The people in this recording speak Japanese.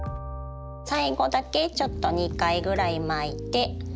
最後だけちょっと２回ぐらい巻いて。